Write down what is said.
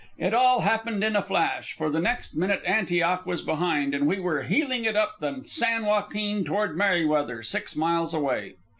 It all happened in a flash, for the next minute Antioch was behind and we were heeling it up the San Joaquin toward Merryweather, six miles away.